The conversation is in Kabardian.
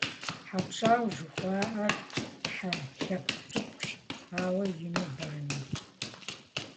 ХьэпщӀэу жыхуаӏэр хьэ лъэпкъ цӀыкӀущ, ауэ ину банэу.